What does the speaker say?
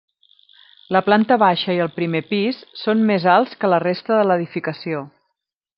La planta baixa i el primer pis són més alts que la resta de l'edificació.